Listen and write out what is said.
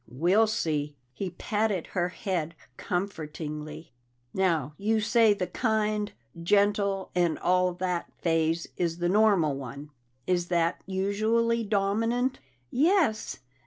"We'll see." He patted her hand comfortingly. "Now, you say the kind, gentle, and all that, phase is the normal one. Is that usually dominant?" "Yes.